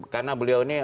karena beliau ini